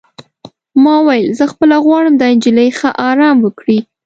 ما وویل: زه خپله غواړم دا نجلۍ ښه ارام وکړي.